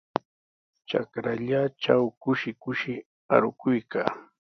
Trakrallaatraw kushi kushi arukuykaa.